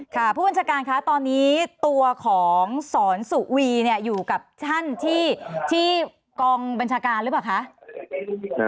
ผู้บัญชาการคะตอนนี้ตัวของสอนสุวีอยู่กับท่านที่กองบัญชาการหรือเปล่าคะ